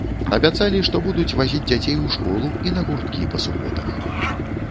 Абяцалі, што будуць вазіць дзяцей у школу і на гурткі па суботах.